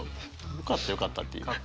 よかったよかったっていう。